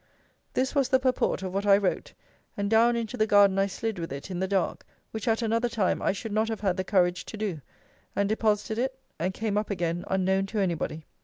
This was the purport of what I wrote; and down into the garden I slid with it in the dark, which at another time I should not have had the courage to do; and deposited it, and came up again unknown to any body.